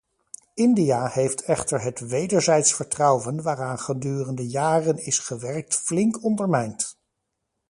India heeft echter het wederzijds vertrouwen waaraan gedurende jaren is gewerkt flink ondermijnd.